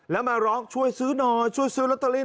แล้วมาร้องช่วยซื้อหน่อยช่วยซื้อลอตเตอรี่